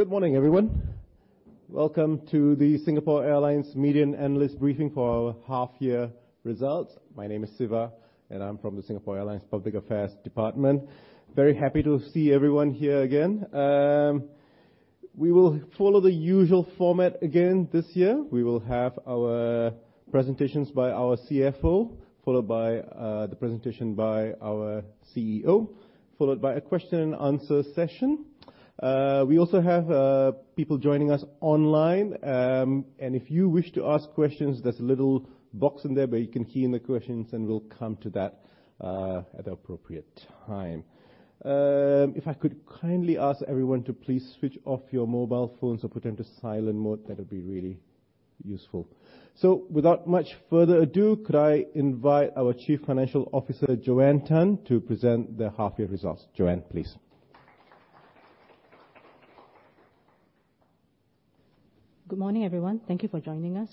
Good morning, everyone. Welcome to the Singapore Airlines Media and Analyst Briefing for our half-year results. My name is Siva, and I'm from the Singapore Airlines Public Affairs department. Very happy to see everyone here again. We will follow the usual format again this year. We will have our presentations by our CFO, followed by the presentation by our CEO, followed by a question-and-answer session. We also have people joining us online, and if you wish to ask questions, there's a little box in there where you can key in the questions, and we'll come to that at the appropriate time. If I could kindly ask everyone to please switch off your mobile phones or put them to silent mode, that would be really useful. Without much further ado, could I invite our Chief Financial Officer, JoAnn Tan, to present the half-year results? JoAnn, please. Good morning, everyone. Thank you for joining us.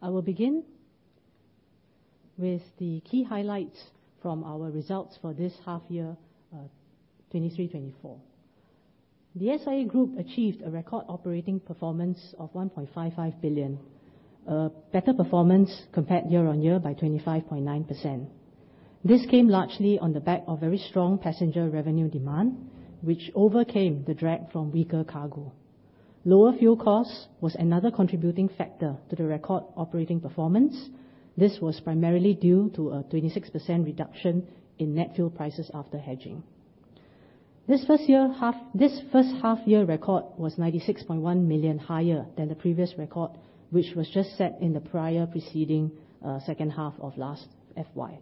I will begin with the key highlights from our results for this half-year 2023-24. The SIA Group achieved a record operating performance of 1.55 billion, a better performance compared year-on-year by 25.9%. This came largely on the back of very strong passenger revenue demand, which overcame the drag from weaker cargo. Lower fuel costs was another contributing factor to the record operating performance. This was primarily due to a 26% reduction in net fuel prices after hedging. This first half-year record was 96.1 million higher than the previous record, which was just set in the prior preceding second half of last FY.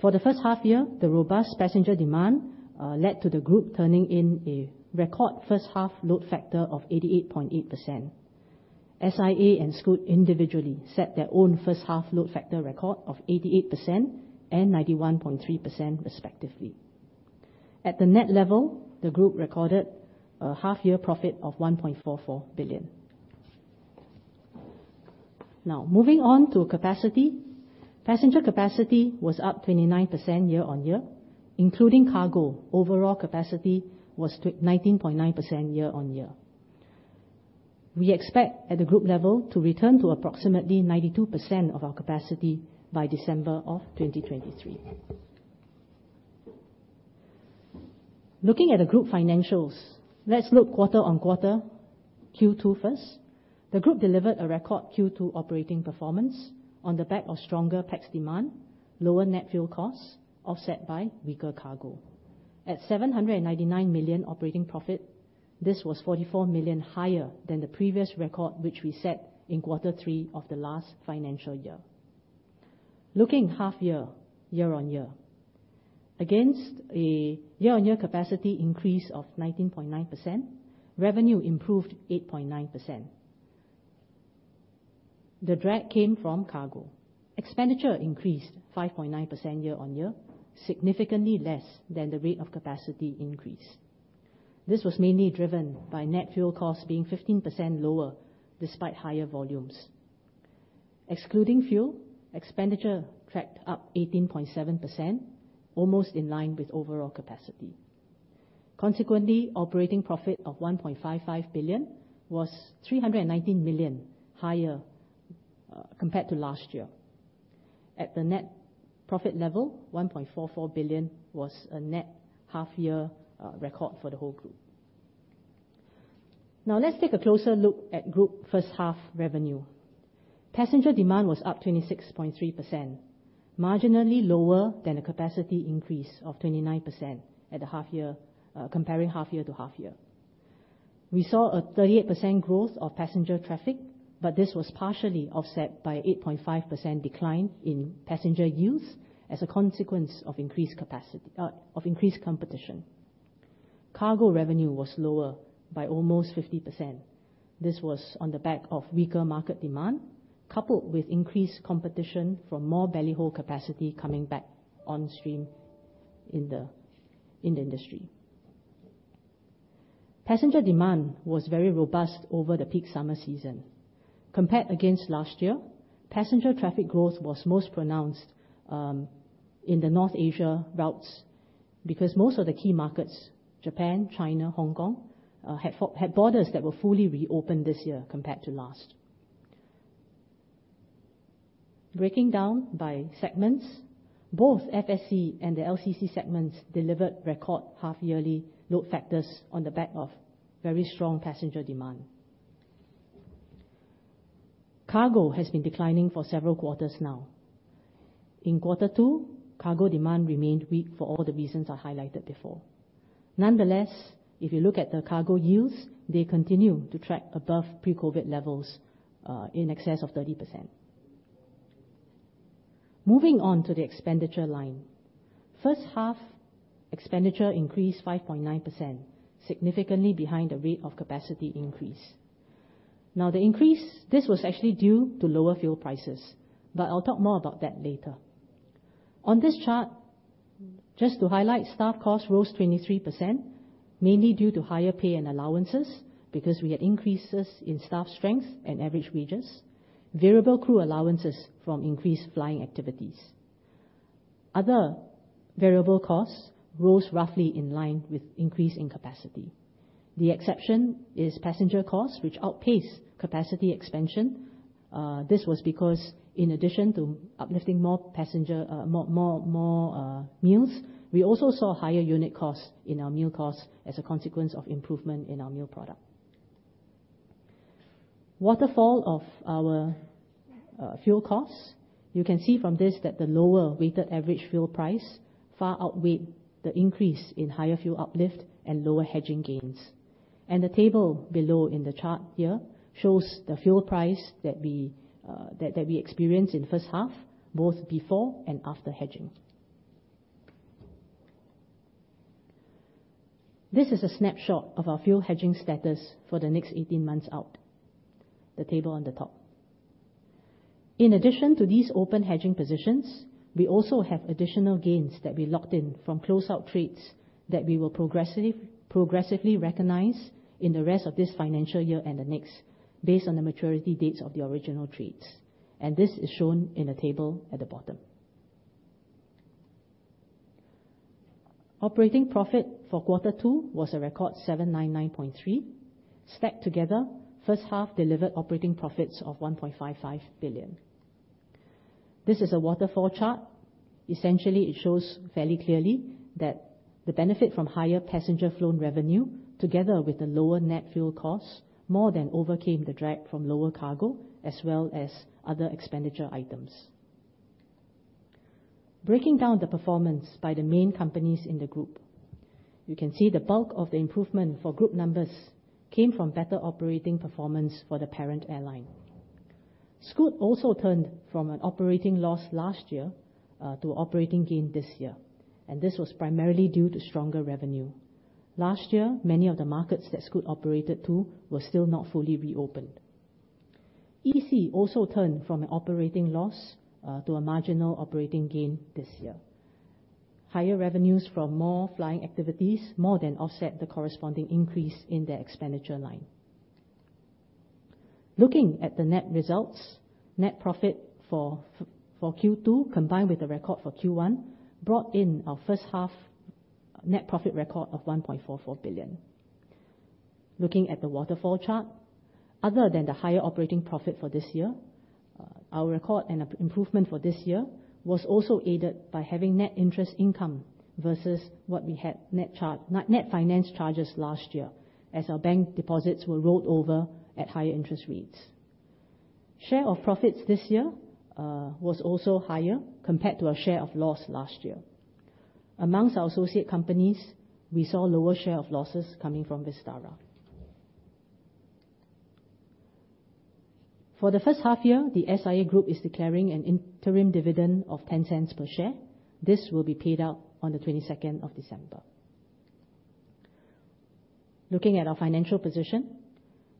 For the first half year, the robust passenger demand led to the group turning in a record first half load factor of 88.8%. SIA and Scoot individually set their own first half load factor record of 88% and 91.3% respectively. At the net level, the group recorded a half-year profit of 1.44 billion. Now, moving on to capacity. Passenger capacity was up 29% year-on-year, including cargo. Overall capacity was nineteen point nine percent year-on-year. We expect, at the group level, to return to approximately 92% of our capacity by December of 2023. Looking at the group financials, let's look quarter-on-quarter, Q2 first. The group delivered a record Q2 operating performance on the back of stronger PAX demand, lower net fuel costs, offset by weaker cargo. At 799 million operating profit, this was 44 million higher than the previous record, which we set in quarter three of the last financial year. Looking half year, year-on-year. Against a year-on-year capacity increase of 19.9%, revenue improved 8.9%. The drag came from cargo. Expenditure increased 5.9% year-on-year, significantly less than the rate of capacity increase. This was mainly driven by net fuel costs being 15% lower despite higher volumes. Excluding fuel, expenditure tracked up 18.7%, almost in line with overall capacity. Consequently, operating profit of 1.55 billion was 319 million higher, compared to last year. At the net profit level, 1.44 billion was a net half-year record for the whole group. Now, let's take a closer look at group first half revenue. Passenger demand was up 26.3%, marginally lower than a capacity increase of 29% at the half year, comparing half year to half year. We saw a 38% growth of passenger traffic, but this was partially offset by 8.5% decline in yield as a consequence of increased capacity of increased competition. Cargo revenue was lower by almost 50%. This was on the back of weaker market demand, coupled with increased competition from more belly hold capacity coming back on stream in the industry. Passenger demand was very robust over the peak summer season. Compared against last year, passenger traffic growth was most pronounced in the North Asia routes, because most of the key markets, Japan, China, Hong Kong, had borders that were fully reopened this year compared to last. Breaking down by segments, both FSC and the LCC segments delivered record half-yearly load factors on the back of very strong passenger demand. Cargo has been declining for several quarters now. In quarter two, cargo demand remained weak for all the reasons I highlighted before. Nonetheless, if you look at the cargo yields, they continue to track above pre-COVID levels, in excess of 30%. Moving on to the expenditure line. First half, expenditure increased 5.9%, significantly behind the rate of capacity increase. Now, the increase, this was actually due to lower fuel prices, but I'll talk more about that later. On this chart, just to highlight, staff costs rose 23%, mainly due to higher pay and allowances, because we had increases in staff strength and average wages, variable crew allowances from increased flying activities.... Other variable costs rose roughly in line with increase in capacity. The exception is passenger costs, which outpaced capacity expansion. This was because in addition to uplifting more passenger meals, we also saw higher unit costs in our meal costs as a consequence of improvement in our meal product. Waterfall of our fuel costs. You can see from this that the lower weighted average fuel price far outweighed the increase in higher fuel uplift and lower hedging gains. The table below in the chart here shows the fuel price that we experienced in first half, both before and after hedging. This is a snapshot of our fuel hedging status for the next 18 months out, the table on the top. In addition to these open hedging positions, we also have additional gains that we locked in from close-out trades that we will progressively recognize in the rest of this financial year and the next, based on the maturity dates of the original trades. This is shown in the table at the bottom. Operating profit for quarter two was a record 799.3 million. Stacked together, first half delivered operating profits of 1.55 billion. This is a waterfall chart. Essentially, it shows fairly clearly that the benefit from higher passenger flown revenue, together with the lower net fuel costs, more than overcame the drag from lower cargo, as well as other expenditure items. Breaking down the performance by the main companies in the group, you can see the bulk of the improvement for group numbers came from better operating performance for the parent airline. Scoot also turned from an operating loss last year to operating gain this year, and this was primarily due to stronger revenue. Last year, many of the markets that Scoot operated to were still not fully reopened. SIAEC also turned from an operating loss to a marginal operating gain this year. Higher revenues from more flying activities more than offset the corresponding increase in their expenditure line. Looking at the net results, net profit for Q2, combined with the record for Q1, brought in our first half net profit record of 1.44 billion. Looking at the waterfall chart, other than the higher operating profit for this year, our record and improvement for this year was also aided by having net interest income versus what we had net finance charges last year, as our bank deposits were rolled over at higher interest rates. Share of profits this year was also higher compared to our share of loss last year. Among our associate companies, we saw lower share of losses coming from Vistara. For the first half year, the SIA Group is declaring an interim dividend of 0.10 per share. This will be paid out on the 22nd of December. Looking at our financial position,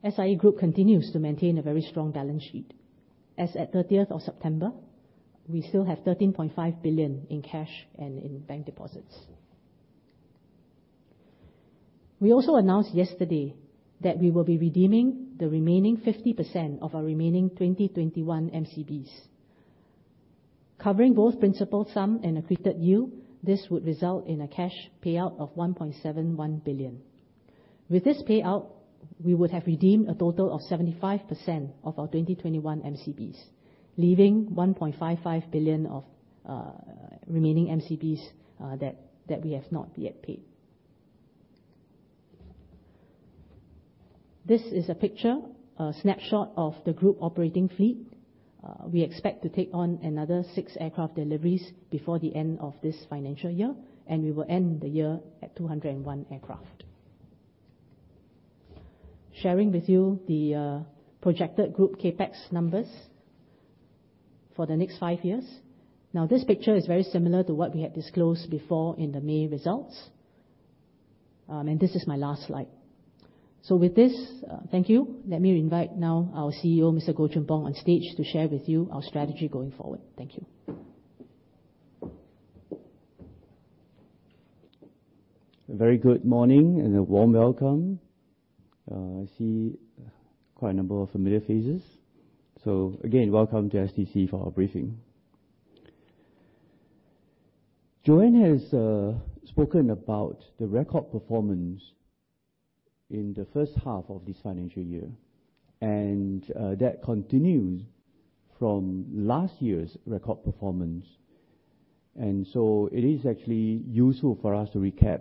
SIA Group continues to maintain a very strong balance sheet. As at 30th of September, we still have 13.5 billion in cash and in bank deposits. We also announced yesterday that we will be redeeming the remaining 50% of our remaining 2021 MCBs. Covering both principal sum and accreted yield, this would result in a cash payout of 1.71 billion. With this payout, we would have redeemed a total of 75% of our 2021 MCBs, leaving 1.55 billion of remaining MCBs that that we have not yet paid. This is a picture, a snapshot of the group operating fleet. We expect to take on another 6 aircraft deliveries before the end of this financial year, and we will end the year at 201 aircraft. Sharing with you the projected group CapEx numbers for the next 5 years. Now, this picture is very similar to what we had disclosed before in the May results. And this is my last slide. So with this, thank you. Let me invite now our CEO, Mr. Goh Choon Phong, on stage to share with you our strategy going forward. Thank you. A very good morning and a warm welcome. I see quite a number of familiar faces. So again, welcome to SIA for our briefing. JoAnn has spoken about the record performance in the first half of this financial year, and that continues from last year's record performance. And so it is actually useful for us to recap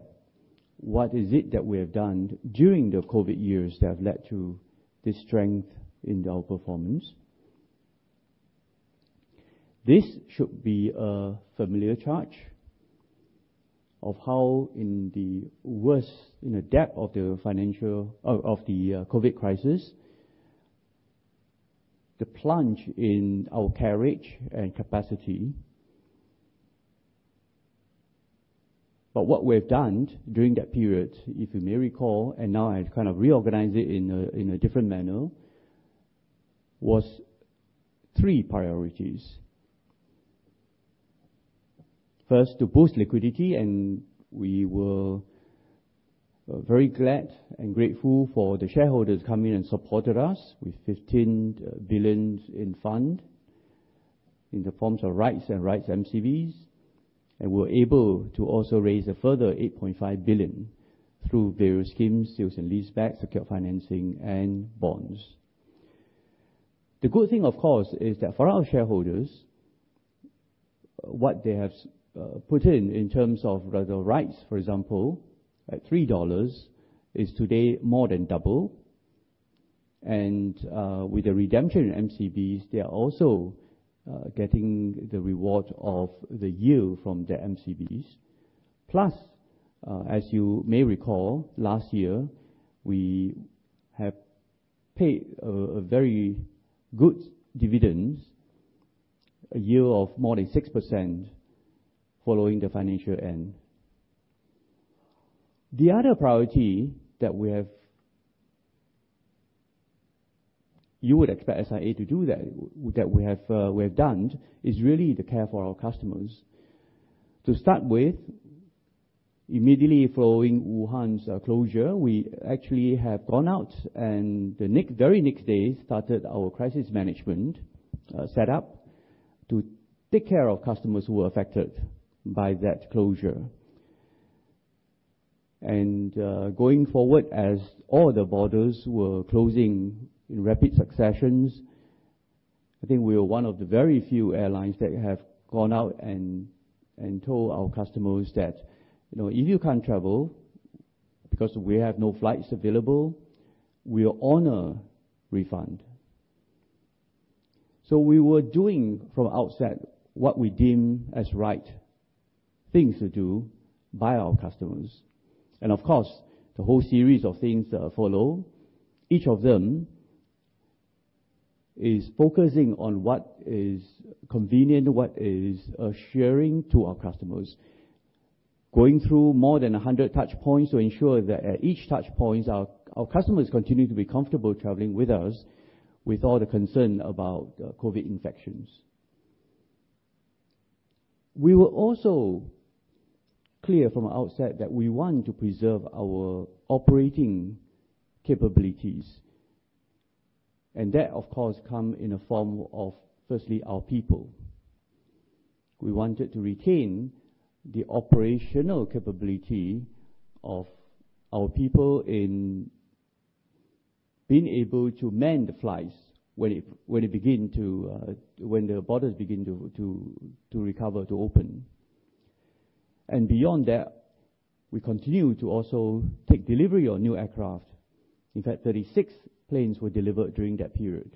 what is it that we have done during the COVID years that have led to this strength in our performance. This should be a familiar chart of how, in the worst, in the depth of the financial... of the COVID crisis, the plunge in our carriage and capacity. But what we've done during that period, if you may recall, and now I've kind of reorganized it in a different manner, was three priorities. First, to boost liquidity, and we will-... We're very glad and grateful for the shareholders coming and supported us with 15 billion in fund, in the forms of rights and Rights MCBs, and we're able to also raise a further 8.5 billion through various schemes, sales and leasebacks, secure financing, and bonds. The good thing, of course, is that for our shareholders, what they have put in, in terms of the rights, for example, at 3 dollars, is today more than double. With the redemption MCBs, they are also getting the reward of the yield from their MCBs. Plus, as you may recall, last year, we have paid a very good dividends, a yield of more than 6% following the financial end. The other priority that we have, you would expect SIA to do that, that we have, we have done, is really to care for our customers. To start with, immediately following Wuhan's closure, we actually have gone out, and the very next day, started our crisis management, set up to take care of customers who were affected by that closure. And, going forward, as all the borders were closing in rapid succession, I think we were one of the very few airlines that have gone out and told our customers that, you know, if you can't travel because we have no flights available, we'll honor refund. So we were doing from outset what we deem as right things to do by our customers. Of course, the whole series of things that follow, each of them is focusing on what is convenient, what is assuring to our customers. Going through more than 100 touchpoints to ensure that at each touchpoints, our customers continue to be comfortable traveling with us, with all the concern about COVID infections. We were also clear from the outset that we want to preserve our operating capabilities, and that, of course, come in a form of, firstly, our people. We wanted to retain the operational capability of our people in being able to man the flights when the borders begin to recover, to open. Beyond that, we continue to also take delivery on new aircraft. In fact, 36 planes were delivered during that period.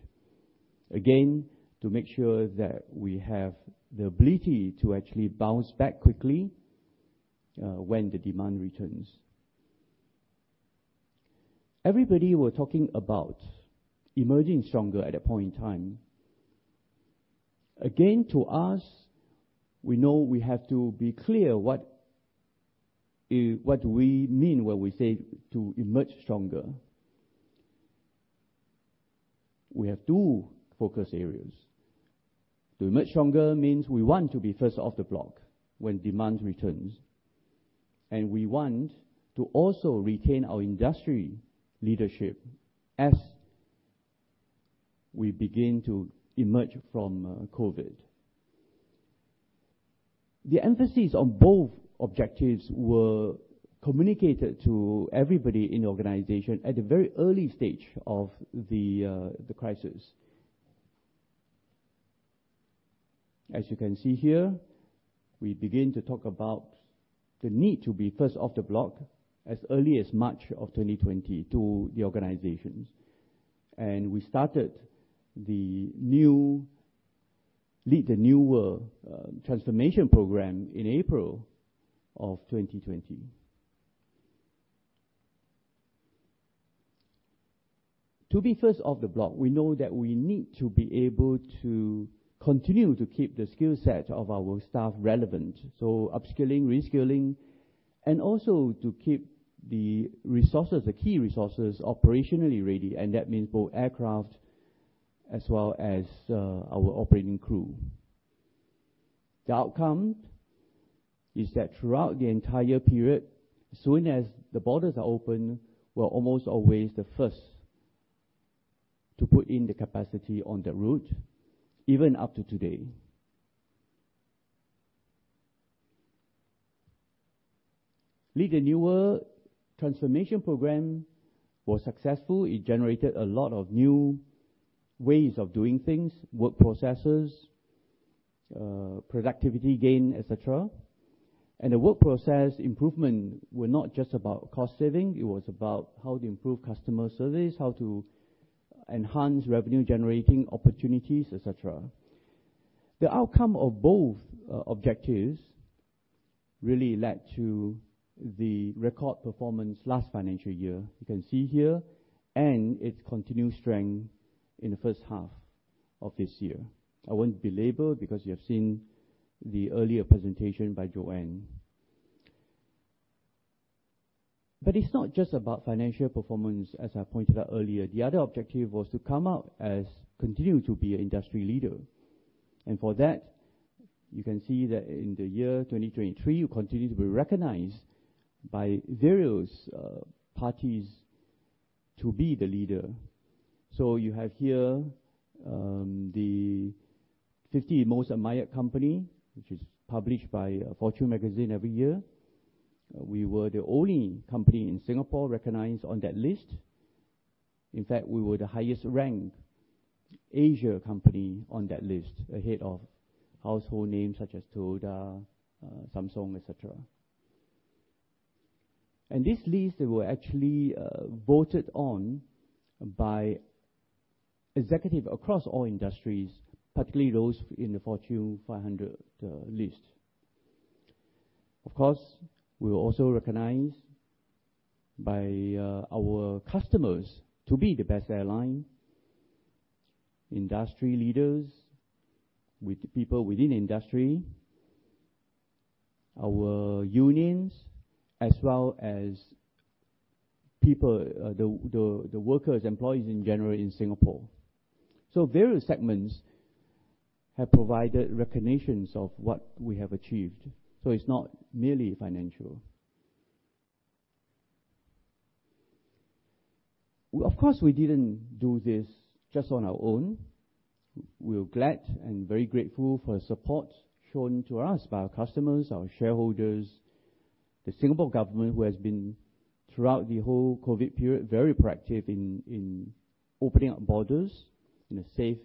Again, to make sure that we have the ability to actually bounce back quickly, when the demand returns. Everybody were talking about emerging stronger at that point in time. Again, to us, we know we have to be clear what, what we mean when we say to emerge stronger. We have two focus areas. To emerge stronger means we want to be first off the block when demand returns, and we want to also retain our industry leadership as we begin to emerge from, COVID. The emphasis on both objectives were communicated to everybody in the organization at the very early stage of the, the crisis. As you can see here, we begin to talk about the need to be first off the block as early as March of 2020 to the organizations. We started the new Lead the New World transformation program in April of 2020. To be first off the block, we know that we need to be able to continue to keep the skill set of our staff relevant, so upskilling, reskilling, and also to keep the resources, the key resources, operationally ready, and that means both aircraft as well as our operating crew. The outcome is that throughout the entire period, as soon as the borders are open, we're almost always the first to put in the capacity on the route, even up to today. Lead the New World transformation program was successful. It generated a lot of new ways of doing things, work processes, productivity gain, etc. The work process improvement were not just about cost saving, it was about how to improve customer service, how to enhance revenue generating opportunities, etc. The outcome of both objectives really led to the record performance last financial year, you can see here, and its continued strength in the first half of this year. I won't belabor because you have seen the earlier presentation by Joanne. But it's not just about financial performance, as I pointed out earlier. The other objective was to come out as continue to be an industry leader. And for that, you can see that in the year 2023, you continue to be recognized by various parties to be the leader. You have here the 50 Most Admired Company, which is published by Fortune Magazine every year. We were the only company in Singapore recognized on that list. In fact, we were the highest ranked Asia company on that list, ahead of household names such as Toyota, Samsung, etc. And this list, they were actually voted on by executives across all industries, particularly those in the Fortune 500 list. Of course, we were also recognized by our customers to be the best airline, industry leaders, with the people within the industry, our unions, as well as people, the workers, employees in general in Singapore. So various segments have provided recognitions of what we have achieved, so it's not merely financial. Of course, we didn't do this just on our own. We're glad and very grateful for the support shown to us by our customers, our shareholders, the Singapore government, who has been, throughout the whole COVID period, very proactive in opening up borders in a safe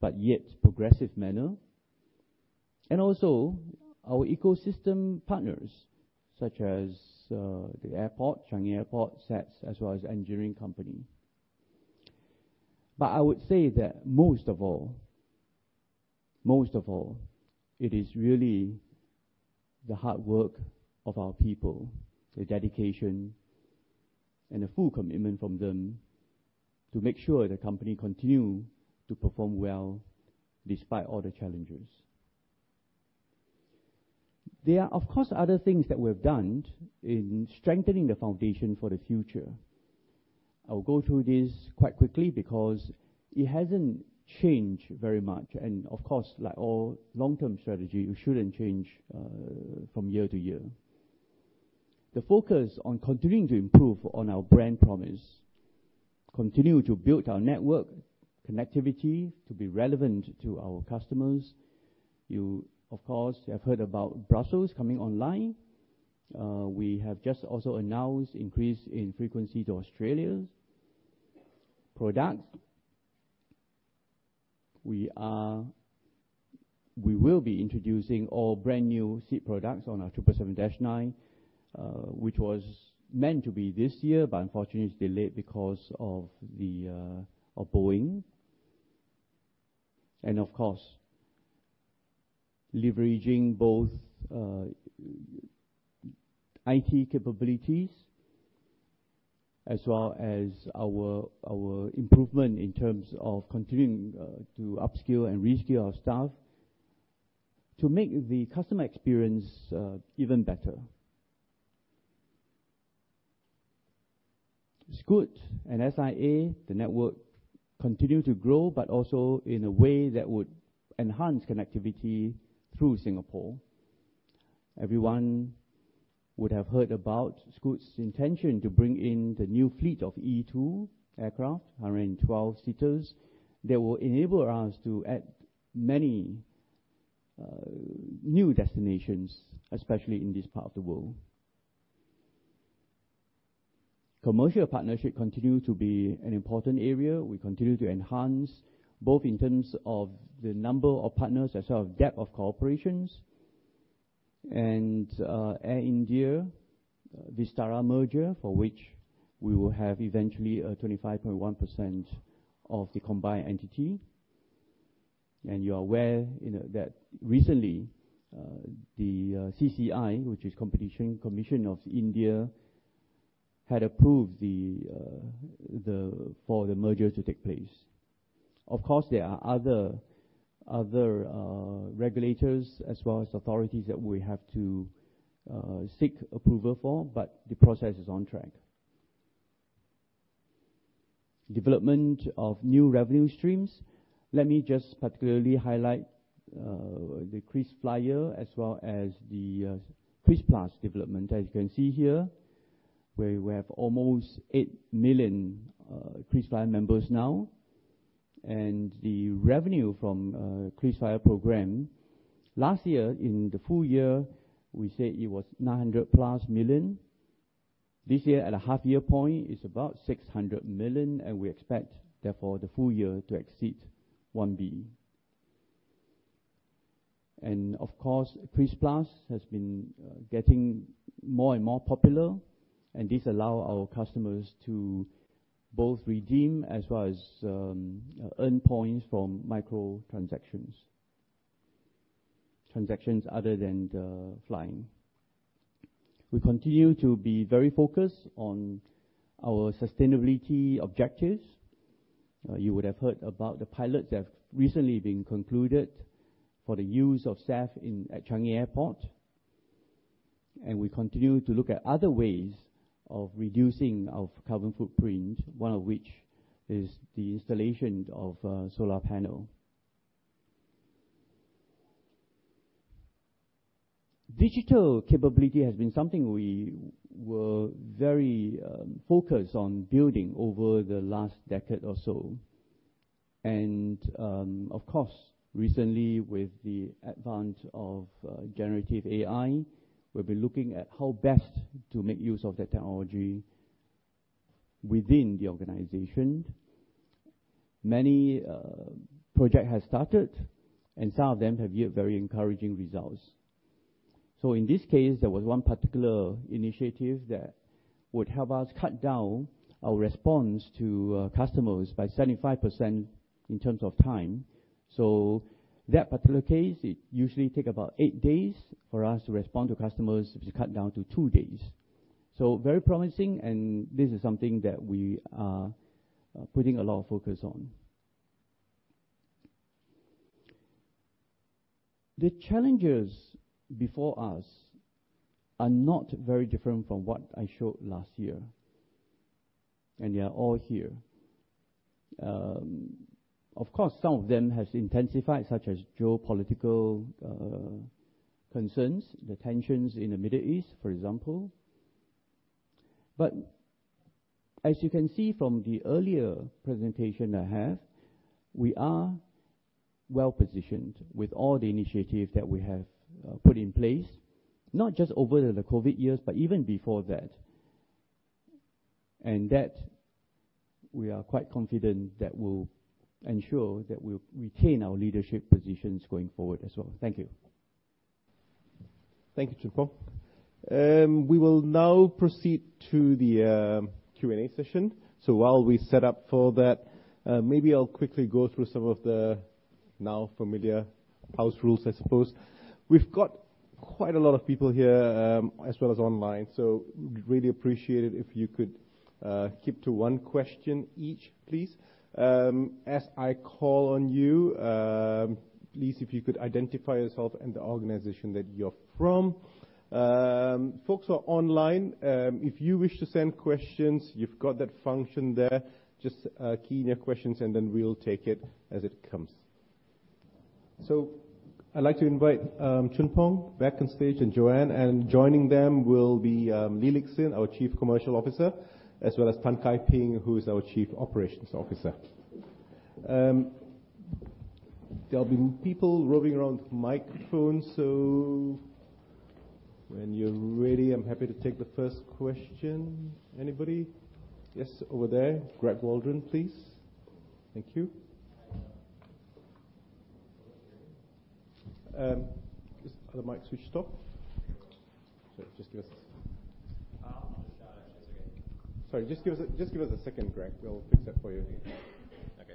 but yet progressive manner. Our ecosystem partners, such as the airport, Changi Airport, SATS, as well as engineering company. But I would say that most of all, most of all, it is really the hard work of our people, the dedication and the full commitment from them to make sure the company continue to perform well despite all the challenges. There are, of course, other things that we have done in strengthening the foundation for the future. I'll go through this quite quickly because it hasn't changed very much. Of course, like all long-term strategy, you shouldn't change from year to year. The focus on continuing to improve on our brand promise, continue to build our network connectivity to be relevant to our customers. You, of course, have heard about Brussels coming online. We have just also announced increase in frequency to Australia. Products, we will be introducing all brand new seat products on our 777-9, which was meant to be this year, but unfortunately, it's delayed because of Boeing. And of course, leveraging both IT capabilities as well as our improvement in terms of continuing to upskill and reskill our staff to make the customer experience even better. Scoot and SIA, the network continue to grow, but also in a way that would enhance connectivity through Singapore. Everyone would have heard about Scoot's intention to bring in the new fleet of E2 aircraft, 112 seaters. That will enable us to add many new destinations, especially in this part of the world. Commercial partnership continue to be an important area. We continue to enhance, both in terms of the number of partners, as well as depth of cooperation. And Air India, Vistara merger, for which we will have eventually a 25.1% of the combined entity. And you are aware, you know, that recently the CCI, which is Competition Commission of India, had approved the merger to take place. Of course, there are other regulators, as well as authorities that we have to seek approval for, but the process is on track. Development of new revenue streams. Let me just particularly highlight the KrisFlyer as well as the Kris+ development. As you can see here, we, we have almost 8 million KrisFlyer members now, and the revenue from KrisFlyer program, last year in the full year, we said it was 900+ million. This year, at the half year point, is about 600 million, and we expect, therefore, the full year to exceed 1 billion. And of course, Kris+ has been getting more and more popular, and this allow our customers to both redeem as well as earn points from micro transactions. Transactions other than flying. We continue to be very focused on our sustainability objectives. You would have heard about the pilots that have recently been concluded for the use of SAF in at Changi Airport, and we continue to look at other ways of reducing our carbon footprint, one of which is the installation of solar panel. Digital capability has been something we were very focused on building over the last decade or so. And, of course, recently, with the advent of generative AI, we've been looking at how best to make use of that technology within the organization. Many project has started, and some of them have yield very encouraging results. So in this case, there was one particular initiative that would help us cut down our response to customers by 75% in terms of time. So that particular case, it usually take about 8 days for us to respond to customers, which is cut down to 2 days. So very promising, and this is something that we are putting a lot of focus on. The challenges before us are not very different from what I showed last year, and they are all here. Of course, some of them has intensified, such as geopolitical concerns, the tensions in the Middle East, for example. But as you can see from the earlier presentation I have, we are well-positioned with all the initiatives that we have put in place, not just over the COVID years, but even before that. And that we are quite confident that will ensure that we retain our leadership positions going forward as well. Thank you. Thank you, Goh Choon Phong. We will now proceed to the Q&A session. So while we set up for that, maybe I'll quickly go through some of the now familiar house rules, I suppose. We've got quite a lot of people here, as well as online, so really appreciate it if you could keep to one question each, please. As I call on you, please, if you could identify yourself and the organization that you're from. Folks who are online, if you wish to send questions, you've got that function there. Just key in your questions, and then we'll take it as it comes. So I'd like to invite Goh Choon Phong back on stage, and JoAnn. Joining them will be Lee Lik Hsin, our Chief Commercial Officer, as well as Tan Kai Ping, who is our Chief Operations Officer. There'll be people roaming around with microphones, so when you're ready, I'm happy to take the first question. Anybody? Yes, over there. Greg Waldron, please. Thank you. Just the mic switched off. So just give us- It's okay. Sorry, just give us, just give us a second, Greg. We'll fix that for you. Okay.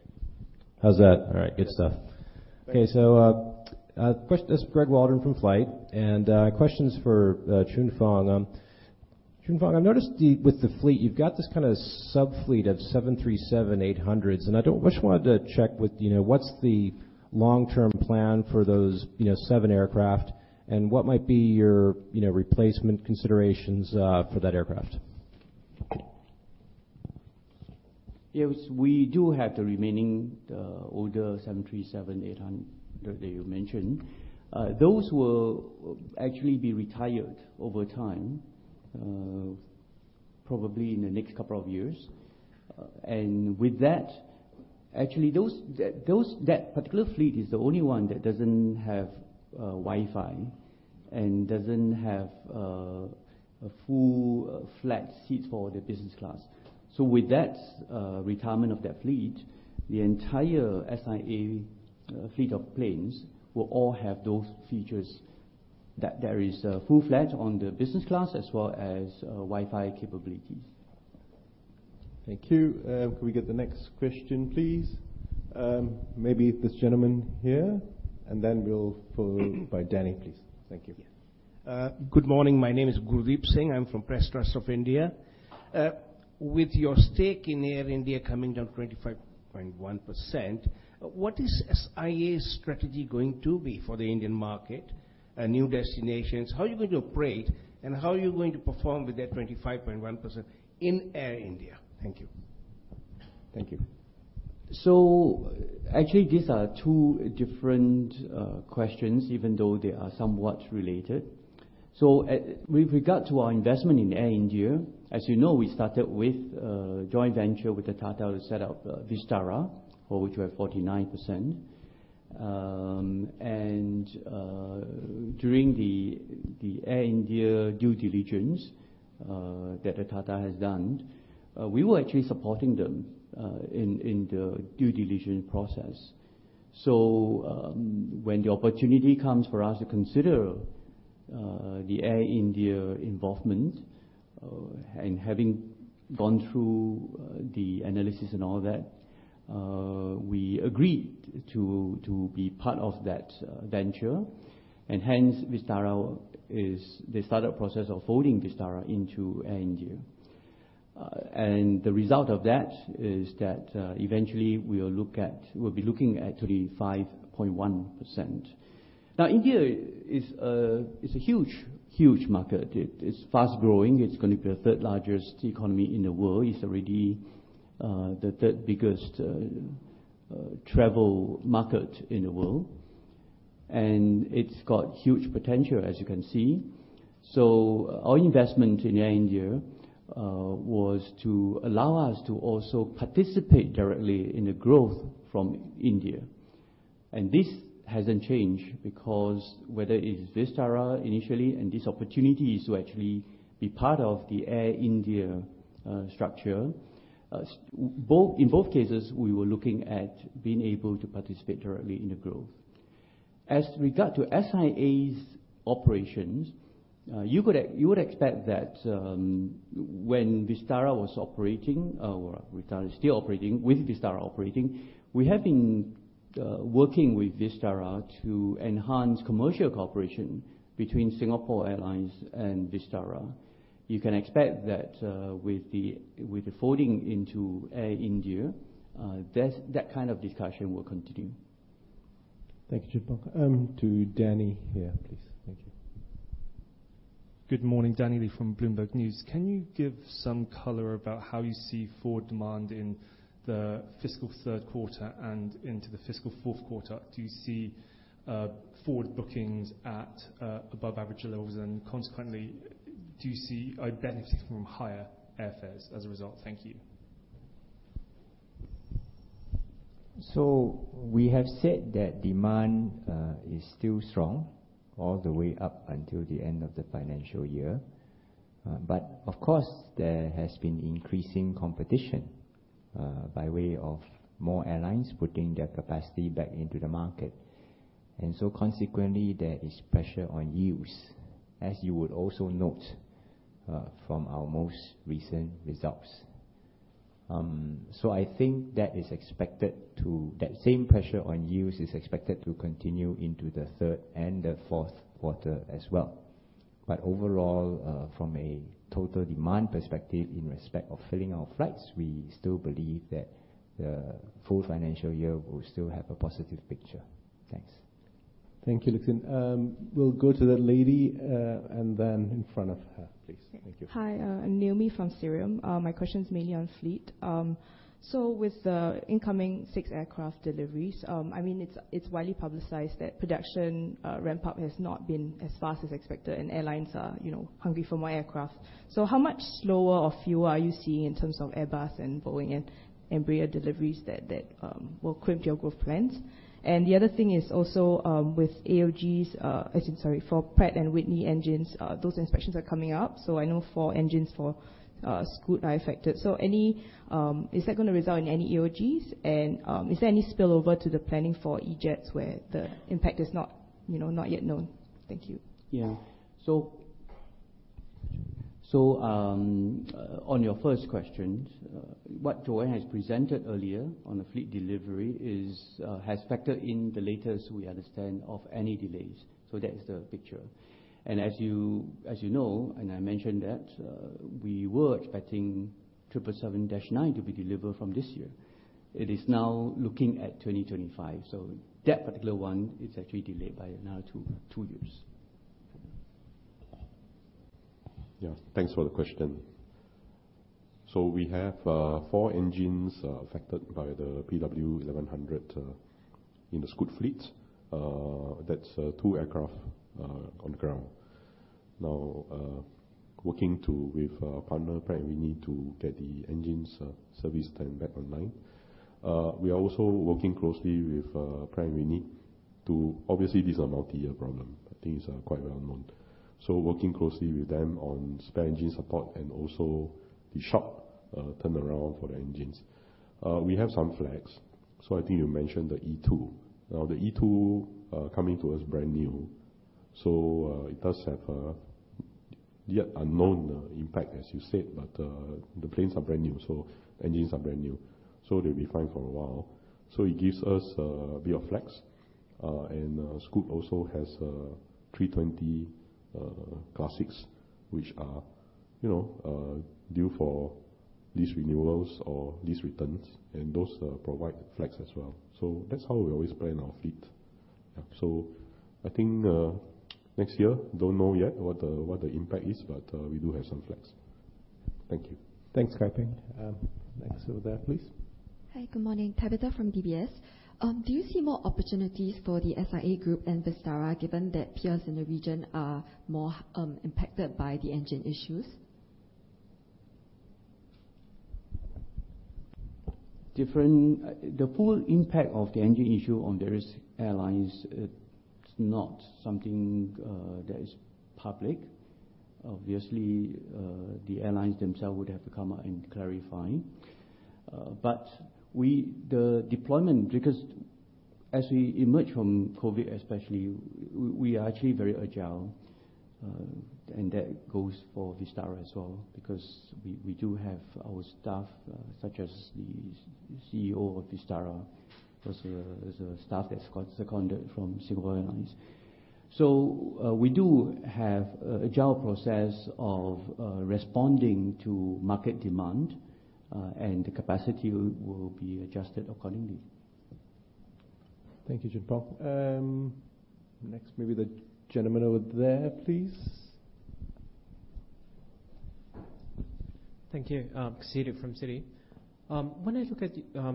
How's that? All right. Good stuff. Thank you. Okay, so, this is Greg Waldron from Flight, and questions for Goh Choon Phong. Goh Choon Phong, I've noticed with the fleet, you've got this kind of sub-fleet of 737-800s, and I don't... Just wanted to check with, you know, what's the long-term plan for those, you know, 7 aircraft, and what might be your, you know, replacement considerations for that aircraft? Yes, we do have the remaining, older 737-800 that you mentioned. Those will actually be retired over time, probably in the next couple of years. And with that, actually, that particular fleet is the only one that doesn't have, Wi-Fi and doesn't have, a full flat seat for the business class. So with that, retirement of that fleet, the entire SIA, fleet of planes will all have those features, that there is a full flat on the business class as well as, Wi-Fi capabilities. Thank you. Can we get the next question, please? Maybe this gentleman here, and then we'll follow by Danny, please. Thank you. Yeah. Good morning. My name is Gurdeep Singh. I'm from Press Trust of India. With your stake in Air India coming down 25.1%, what is SIA's strategy going to be for the Indian market, new destinations? How are you going to operate, and how are you going to perform with that 25.1% in Air India? Thank you. Thank you. So actually, these are two different questions, even though they are somewhat related. So with regard to our investment in Air India, as you know, we started with a joint venture with the Tata to set up Vistara, for which we have 49%. And during the Air India due diligence that the Tata has done, we were actually supporting them in the due diligence process. So when the opportunity comes for us to consider the Air India involvement, and having gone through the analysis and all that, we agreed to be part of that venture, and hence Vistara is the startup process of folding Vistara into Air India. And the result of that is that eventually we'll look at- we'll be looking at actually 5.1%. Now, India is a huge, huge market. It's fast-growing. It's going to be the third largest economy in the world. It's already the third biggest travel market in the world, and it's got huge potential, as you can see. So our investment in Air India was to allow us to also participate directly in the growth from India. And this hasn't changed because whether it's Vistara initially, and this opportunity is to actually be part of the Air India structure, in both cases, we were looking at being able to participate directly in the growth. As regards to SIA's operations, you would expect that, when Vistara was operating, or Vistara is still operating, with Vistara operating, we have been working with Vistara to enhance commercial cooperation between Singapore Airlines and Vistara. You can expect that, with the folding into Air India, that kind of discussion will continue. Thank you, Choon Phong. To Danny here, please. Thank you. Good morning. Danny Lee from Bloomberg News. Can you give some color about how you see forward demand in the fiscal third quarter and into the fiscal fourth quarter? Do you see forward bookings at above average levels? And consequently, do you see a benefit from higher airfares as a result? Thank you. We have said that demand is still strong all the way up until the end of the financial year. Of course, there has been increasing competition by way of more airlines putting their capacity back into the market. Consequently, there is pressure on yields, as you would also note from our most recent results. I think that same pressure on yields is expected to continue into the third and the fourth quarter as well. Overall, from a total demand perspective, in respect of filling our flights, we still believe that the full financial year will still have a positive picture. Thanks. Thank you, Lee Lik Hsin. We'll go to the lady, and then in front of her, please. Thank you. Hi, Naomi from Cirium. My question is mainly on fleet. So with the incoming six aircraft deliveries, I mean, it's widely publicized that production ramp up has not been as fast as expected, and airlines are, you know, hungry for more aircraft. So how much slower or fewer are you seeing in terms of Airbus and Boeing and Embraer deliveries that will crimp your growth plans? And the other thing is also with AOGs, as in, sorry, for Pratt & Whitney engines, those inspections are coming up, so I know four engines for Scoot are affected. So, is that going to result in any AOGs? And, is there any spillover to the planning for E-Jets where the impact is not, you know, not yet known? Thank you. Yeah. So on your first question, what JoAnn has presented earlier on the fleet delivery is has factored in the latest, we understand, of any delays. So that is the picture. And as you know, and I mentioned that we were expecting 777-9 to be delivered from this year. It is now looking at 2025. So that particular one is actually delayed by another two years. Yeah. Thanks for the question. So we have 4 engines affected by the PW1100 in the Scoot fleet. That's 2 aircraft on the ground. Now, working with partner Pratt & Whitney to get the engines serviced and back online. We are also working closely with Pratt & Whitney. Obviously, this is a multi-year problem. I think it's quite well known. So working closely with them on spare engine support and also the shop turnaround for the engines. We have some flags. So I think you mentioned the E2. Now, the E2 coming to us brand new, so it does have a yet unknown impact, as you said, but the planes are brand new, so engines are brand new, so they'll be fine for a while. So it gives us a bit of flex. And Scoot also has 320 classics, which are, you know, due for these renewals or these returns, and those provide flex as well. So that's how we always plan our fleet. Yeah. So I think next year, don't know yet what the impact is, but we do have some flex. Thank you. Thanks, Kai Ping. Next over there, please. Hi, good morning. Tabitha from DBS. Do you see more opportunities for the SIA Group and Vistara, given that peers in the region are more impacted by the engine issues? Different, the full impact of the engine issue on various airlines is not something that is public. Obviously, the airlines themselves would have to come out and clarify. But we—the deployment, because as we emerge from COVID, especially, we are actually very agile, and that goes for Vistara as well, because we do have our staff, such as the CEO of Vistara, plus there's a staff that got seconded from Singapore Airlines. So, we do have an agile process of responding to market demand, and the capacity will be adjusted accordingly. Thank you, Goh Choon Phong. Next, maybe the gentleman over there, please. Thank you. Kaseedit from Citi. When I look at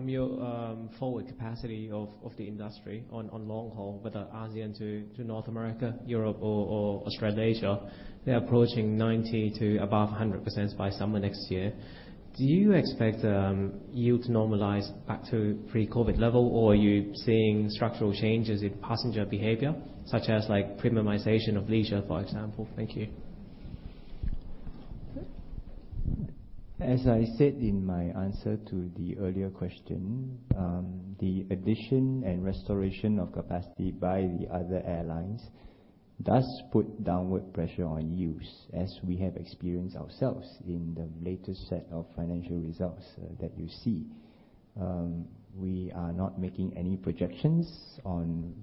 your forward capacity of the industry on long haul, whether ASEAN to North America, Europe or Australia, Asia, they're approaching 90% to above 100% by summer next year. Do you expect yield to normalize back to pre-COVID level, or are you seeing structural changes in passenger behavior, such as like premiumization of leisure, for example? Thank you. As I said in my answer to the earlier question, the addition and restoration of capacity by the other airlines does put downward pressure on yields, as we have experienced ourselves in the latest set of financial results, that you see. We are not making any projections on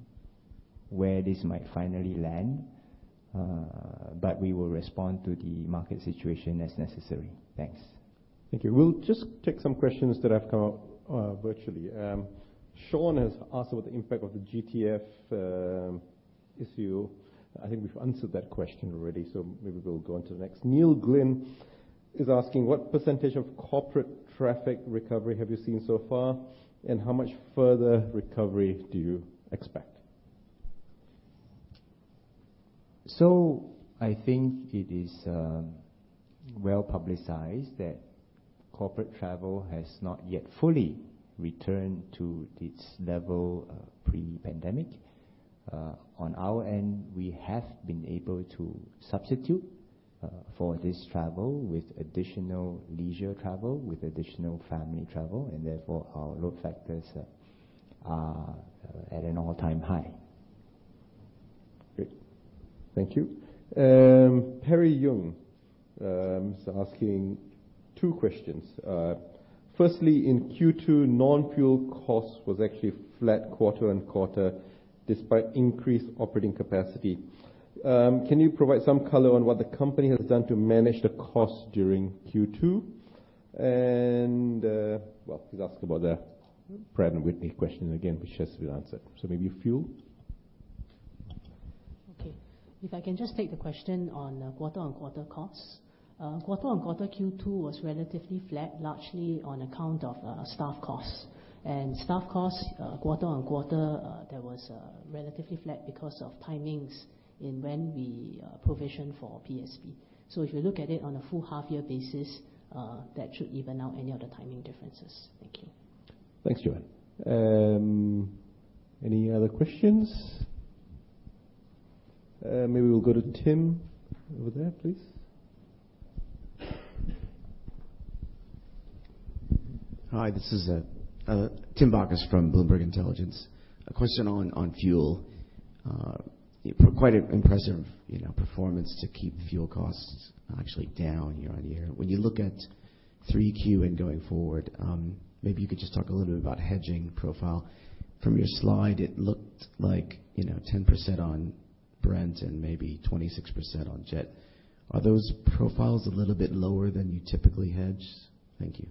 where this might finally land, but we will respond to the market situation as necessary. Thanks. Thank you. We'll just take some questions that have come up, virtually. Sean has asked about the impact of the GTF issue. I think we've answered that question already, so maybe we'll go on to the next. Neil Glynn is asking: What percentage of corporate traffic recovery have you seen so far, and how much further recovery do you expect? So I think it is well-publicized that corporate travel has not yet fully returned to its level pre-pandemic. On our end, we have been able to substitute for this travel with additional leisure travel, with additional family travel, and therefore, our load factors are at an all-time high. Great. Thank you. Harry Yan is asking two questions. Firstly, in Q2, non-fuel costs was actually flat quarter-on-quarter, despite increased operating capacity. Can you provide some color on what the company has done to manage the cost during Q2? And, well, he's asked about the Pratt & Whitney question again, which just we answered. So maybe fuel. Okay. If I can just take the question on quarter-over-quarter costs. Quarter-over-quarter, Q2 was relatively flat, largely on account of staff costs. And staff costs, quarter-over-quarter, that was relatively flat because of timings in when we provisioned for PSP. So if you look at it on a full half year basis, that should even out any of the timing differences. Thank you. Thanks, JoAnn. Any other questions? Maybe we'll go to Tim over there, please. Hi, this is Tim Bacchus from Bloomberg Intelligence. A question on fuel. Quite an impressive, you know, performance to keep fuel costs actually down year-on-year. When you look at 3Q and going forward, maybe you could just talk a little bit about hedging profile. From your slide, it looked like, you know, 10% on Brent and maybe 26% on jet. Are those profiles a little bit lower than you typically hedge? Thank you.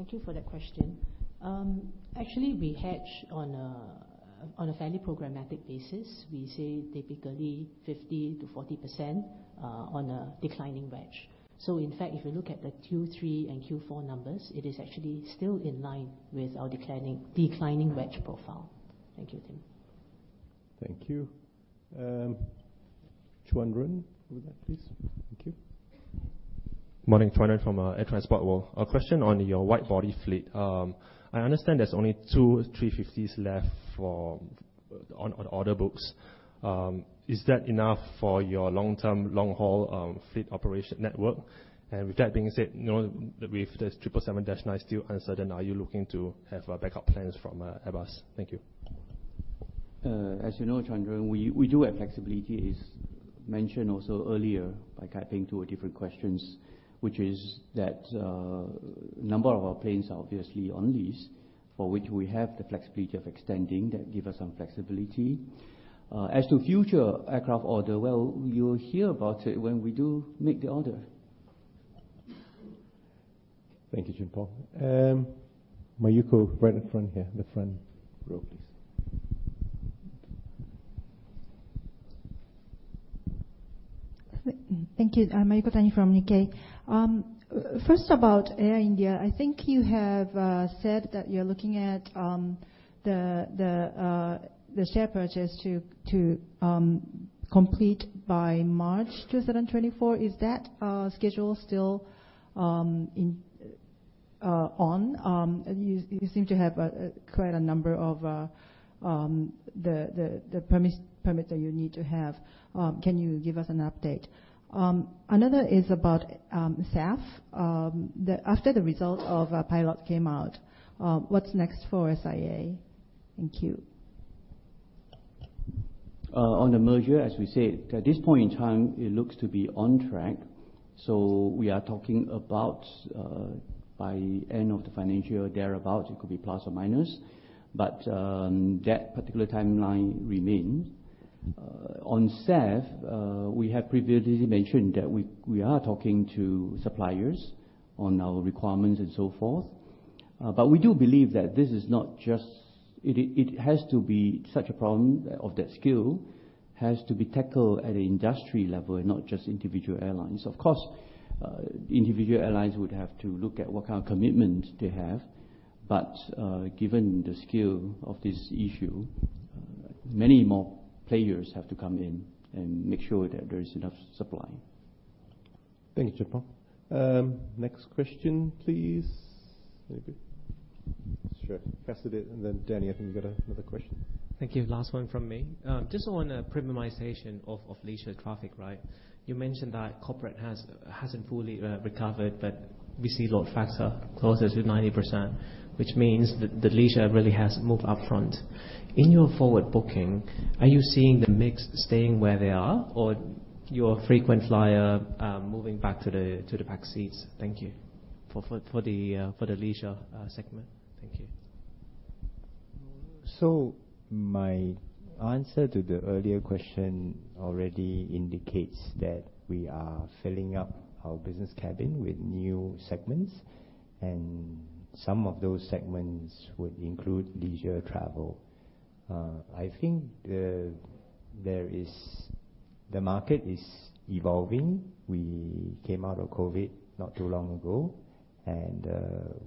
Thank you for that question. Actually, we hedge on a fairly programmatic basis. We say typically 50%-40%, on a declining wedge. So in fact, if you look at the Q3 and Q4 numbers, it is actually still in line with our declining wedge profile. Thank you, Tim. Thank you. Chuanren, over there, please. Thank you. Morning. Chuanren from Air Transport World. A question on your wide-body fleet. I understand there's only two A350s left for on order books. Is that enough for your long-term, long-haul fleet operation network? And with that being said, now with the 777-9 still uncertain, are you looking to have backup plans from Airbus? Thank you. As you know, Choon Phong, we do have flexibility, as mentioned also earlier by answering two different questions, which is that a number of our planes are obviously on lease, for which we have the flexibility of extending, that give us some flexibility. As to future aircraft order, well, you'll hear about it when we do make the order. Thank you, Goh Choon Phong. Mayuko, right up front here, the front row, please. Thank you. I'm Mayuko Tani from Nikkei. First about Air India, I think you have said that you're looking at the share purchase to complete by March 2024. Is that schedule still on? You seem to have quite a number of the permits that you need to have. Can you give us an update? Another is about SAF. After the result of a pilot came out, what's next for SIA? Thank you. On the merger, as we said, at this point in time, it looks to be on track, so we are talking about, by end of the financial year, thereabout, it could be plus or minus, but that particular timeline remains. On SAF, we have previously mentioned that we are talking to suppliers on our requirements and so forth. But we do believe that this is not just it. It has to be such a problem of that scale, has to be tackled at an industry level, not just individual airlines. Of course, individual airlines would have to look at what kind of commitment they have, but given the scale of this issue, many more players have to come in and make sure that there is enough supply. Thank you, Choon Phong. Next question, please. Maybe... Sure, Kaseedit, and then Danny, I think you got another question. Thank you. Last one from me. Just on premiumization of leisure traffic, right? You mentioned that corporate hasn't fully recovered, but we see load factor closer to 90%, which means that the leisure really has moved up front. In your forward booking, are you seeing the mix staying where they are, or your frequent flyer moving back to the back seats? Thank you. For the leisure segment. Thank you. So my answer to the earlier question already indicates that we are filling up our business cabin with new segments, and some of those segments would include leisure travel. I think the market is evolving. We came out of COVID not too long ago, and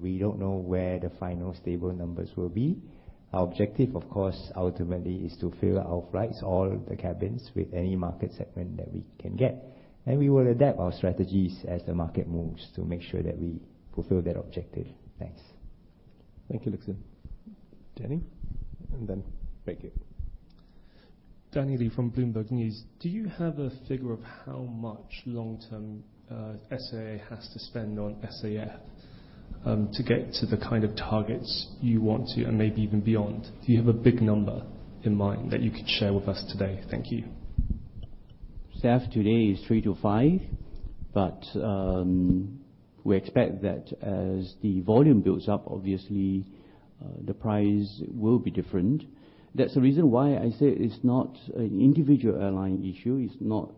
we don't know where the final stable numbers will be. Our objective, of course, ultimately is to fill our flights, all the cabins, with any market segment that we can get, and we will adapt our strategies as the market moves to make sure that we fulfill that objective. Thanks. Thank you, Lik Hsin. Danny, and then Peggy. Danny Lee from Bloomberg News. Do you have a figure of how much long-term SIA has to spend on SAF to get to the kind of targets you want to, and maybe even beyond? Do you have a big number in mind that you could share with us today? Thank you. SAF today is 3-5, but we expect that as the volume builds up, obviously, the price will be different. That's the reason why I say it's not an individual airline issue, it's not.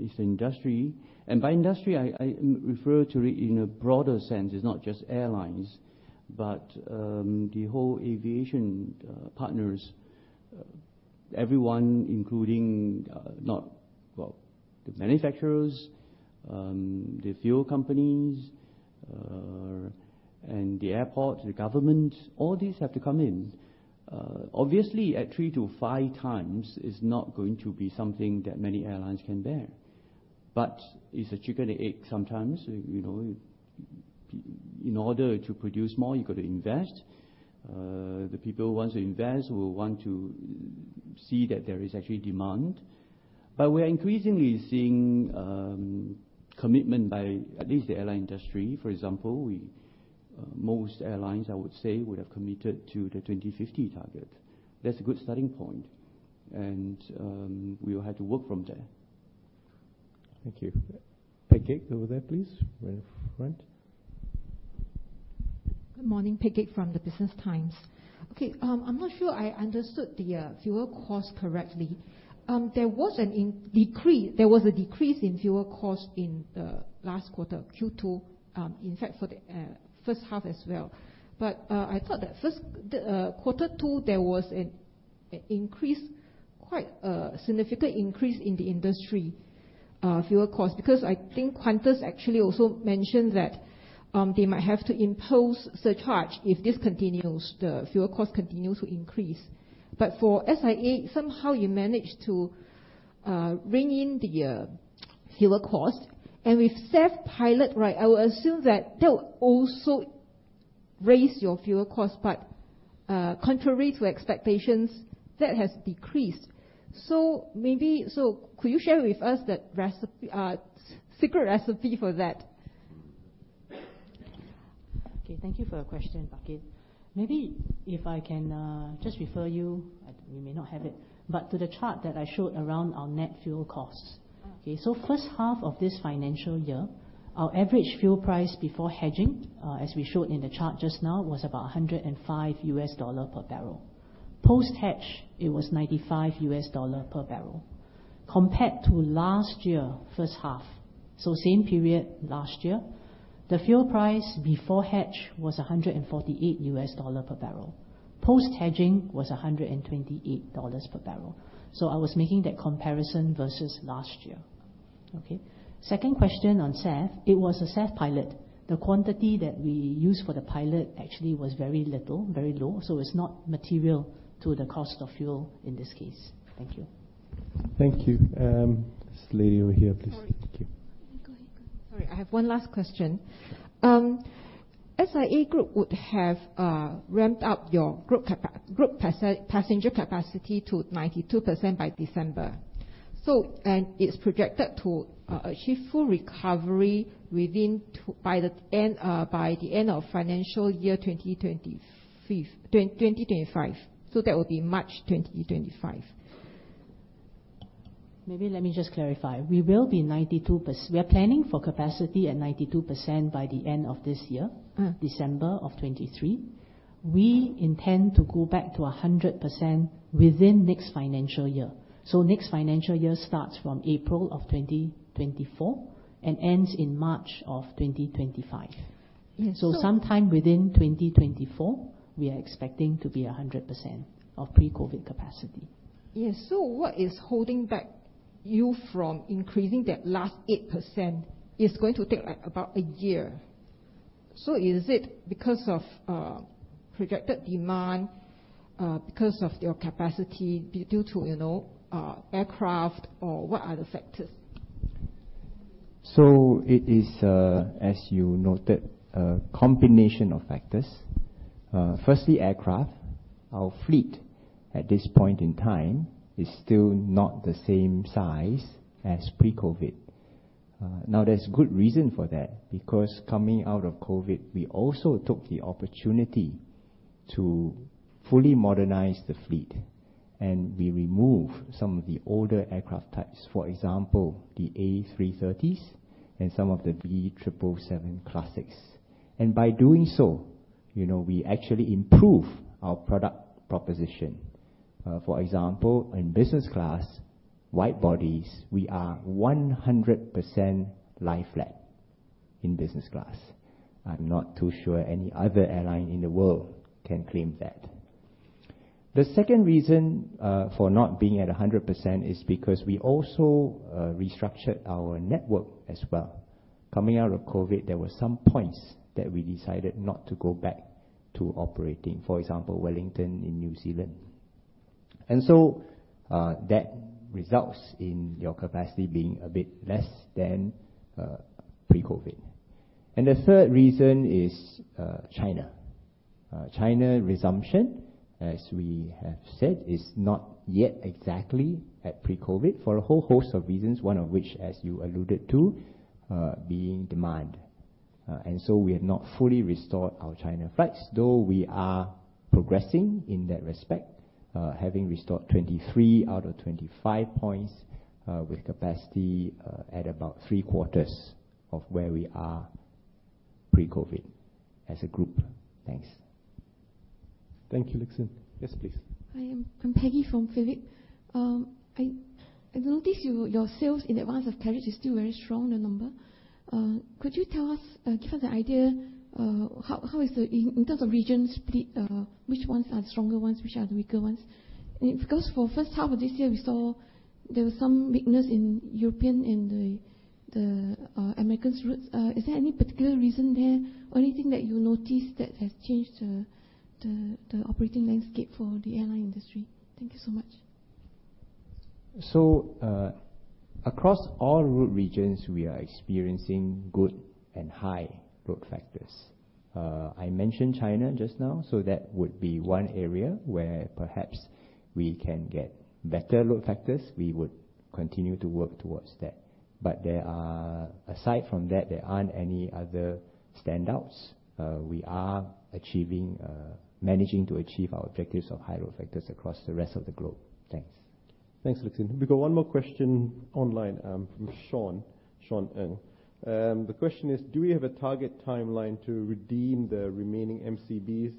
It's an industry. And by industry, I, I refer to it in a broader sense. It's not just airlines, but the whole aviation partners, everyone, including, not, well, the manufacturers, the fuel companies, and the airport, the government, all these have to come in. Obviously, at 3-5 times, is not going to be something that many airlines can bear, but it's a chicken and egg sometimes. You know, in order to produce more, you've got to invest. The people who want to invest will want to see that there is actually demand. But we are increasingly seeing commitment by at least the airline industry. For example, we, most airlines, I would say, would have committed to the 2050 target. That's a good starting point, and we will have to work from there. Thank you. Peggy, over there, please. Right up front. Good morning, Peggy from the Business Times. Okay, I'm not sure I understood the fuel cost correctly. There was a decrease in fuel cost in the last quarter, Q2, in fact, for the first half as well. But, I thought that first, the quarter two, there was an increase, quite a significant increase in the industry fuel cost, because I think Qantas actually also mentioned that they might have to impose surcharge if this continues, the fuel cost continues to increase. But for SIA, somehow you managed to rein in the fuel cost and with SAF pilot, right, I will assume that that will also raise your fuel cost, but contrary to expectations, that has decreased. So maybe... So could you share with us that recipe, secret recipe for that? Okay, thank you for your question, Peggy. Maybe if I can just refer you, you may not have it, but to the chart that I showed around our net fuel costs. Okay, so first half of this financial year, our average fuel price before hedging, as we showed in the chart just now, was about $105 per barrel. Post-hedge, it was $95 per barrel. Compared to last year, first half, so same period last year, the fuel price before hedge was $148 per barrel. Post-hedging was $128 per barrel, so I was making that comparison versus last year. Okay. Second question on SAF. It was a SAF pilot. The quantity that we used for the pilot actually was very little, very low, so it's not material to the cost of fuel in this case. Thank you. Thank you. This lady over here, please. Thank you. Go ahead, go ahead. Sorry, I have one last question. SIA Group would have ramped up your group passenger capacity to 92% by December. So, and it's projected to achieve full recovery by the end of financial year 2025. So that will be March 2025. Maybe let me just clarify. We will be 92%. We are planning for capacity at 92% by the end of this year. December of 2023. We intend to go back to 100% within next financial year. So next financial year starts from April of 2024 and ends in March of 2025. Yes, so- Sometime within 2024, we are expecting to be 100% of pre-COVID capacity. Yes. So what is holding back you from increasing that last 8%? It's going to take, like, about a year. So is it because of projected demand, because of your capacity due to, you know, aircraft, or what are the factors? So it is, as you noted, a combination of factors. Firstly, aircraft. Our fleet, at this point in time, is still not the same size as pre-COVID. Now, there's good reason for that, because coming out of COVID, we also took the opportunity to fully modernize the fleet, and we removed some of the older aircraft types, for example, the A330s and some of the B777 classics. And by doing so, you know, we actually improved our product proposition. For example, in business class, wide bodies, we are 100% lie-flat in business class. I'm not too sure any other airline in the world can claim that. The second reason, for not being at a 100% is because we also, restructured our network as well. Coming out of COVID, there were some points that we decided not to go back to operating, for example, Wellington in New Zealand. And so, that results in your capacity being a bit less than pre-COVID. And the third reason is China. China resumption, as we have said, is not yet exactly at pre-COVID for a whole host of reasons, one of which, as you alluded to, being demand. And so we have not fully restored our China flights, though we are progressing in that respect, having restored 23 out of 25 points, with capacity at about three-quarters of where we are pre-COVID as a group. Thanks. Thank you, Lixin. Yes, please. Hi, I'm Peggy from Phillip Securities. I notice your sales in advance of carriage is still very strong, the number. Could you tell us, give us an idea how is the... In terms of region split, which ones are the stronger ones, which are the weaker ones? And because for first half of this year, we saw there was some weakness in European and the American routes. Is there any particular reason there or anything that you noticed that has changed the operating landscape for the airline industry? Thank you so much. So, across all route regions, we are experiencing good and high load factors. I mentioned China just now, so that would be one area where perhaps we can get better load factors. We would continue to work towards that. But there are... Aside from that, there aren't any other standouts. We are achieving, managing to achieve our objectives of high load factors across the rest of the globe. Thanks. Thanks, Lixin. We've got one more question online, from Sean, Sean Ng. The question is: Do we have a target timeline to redeem the remaining MCBs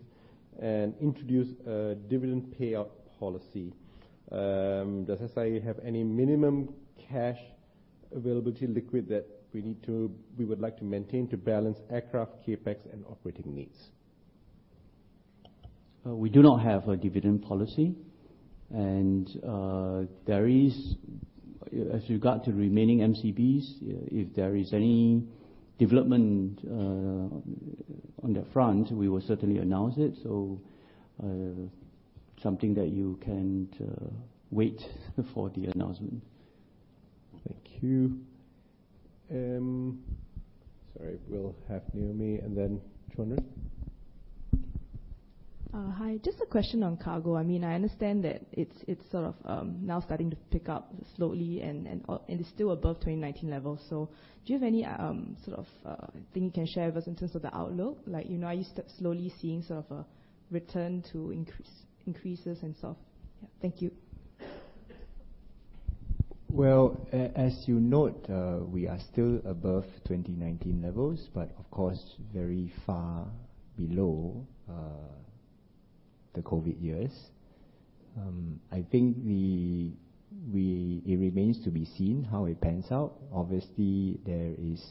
and introduce a dividend payout policy? Does SIA have any minimum cash availability liquid that we need to we would like to maintain to balance aircraft, CapEx, and operating needs? We do not have a dividend policy, and there is … As regards to remaining MCBs, if there is any development on that front, we will certainly announce it, so something that you can wait for the announcement. Thank you. Sorry, we'll have Naomi and then Chuan Ren. Hi. Just a question on cargo. I mean, I understand that it's sort of now starting to pick up slowly and it's still above 2019 levels. So do you have any sort of thing you can share with us in terms of the outlook? Like, you know, are you slowly seeing sort of a return to increase, increases and so on? Yeah. Thank you. Well, as you note, we are still above 2019 levels, but of course, very far below the COVID years. I think it remains to be seen how it pans out. Obviously, there is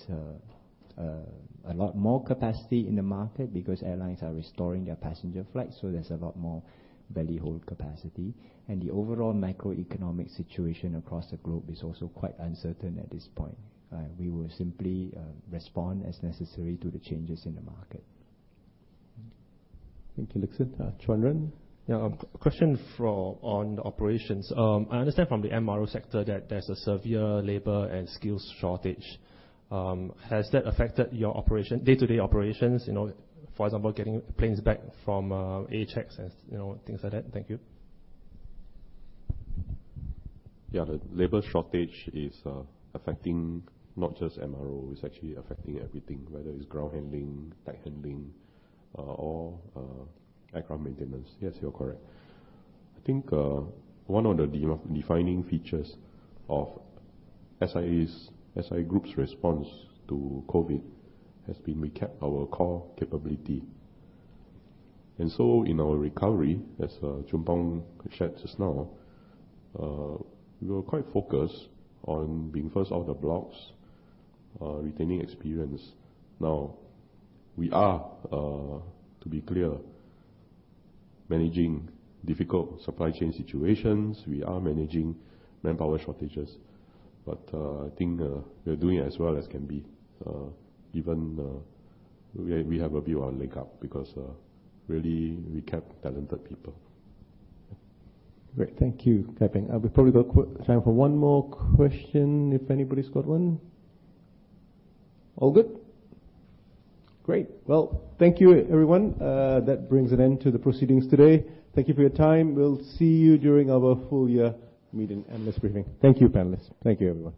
a lot more capacity in the market because airlines are restoring their passenger flights, so there's a lot more belly hold capacity. And the overall macroeconomic situation across the globe is also quite uncertain at this point. We will simply respond as necessary to the changes in the market. Thank you, Lixin. Chuan Ren? Yeah, a question on the operations. I understand from the MRO sector that there's a severe labor and skills shortage. Has that affected your operation, day-to-day operations? You know, for example, getting planes back from AOG and, you know, things like that. Thank you. Yeah. The labor shortage is affecting not just MRO, it's actually affecting everything, whether it's ground handling, tech handling, or aircraft maintenance. Yes, you're correct. I think one of the defining features of SIA's, SIA Group's response to COVID has been we kept our core capability. And so in our recovery, as Goh Choon Phong shared just now, we were quite focused on being first off the blocks, retaining experience. Now, we are, to be clear, managing difficult supply chain situations. We are managing manpower shortages, but I think we are doing as well as can be. Evan, we have a bit of a leg up, because really, we kept talented people. Great. Thank you, Benjamin. We've probably got quick time for one more question, if anybody's got one. All good? Great. Well, thank you, everyone. That brings an end to the proceedings today. Thank you for your time. We'll see you during our full year meeting and this briefing. Thank you, panelists. Thank you, everyone.